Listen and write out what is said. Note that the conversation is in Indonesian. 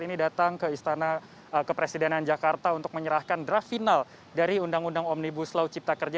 ini datang ke istana kepresidenan jakarta untuk menyerahkan draft final dari undang undang omnibus law cipta kerja